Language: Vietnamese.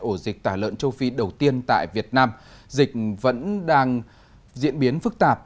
ổ dịch tả lợn châu phi đầu tiên tại việt nam dịch vẫn đang diễn biến phức tạp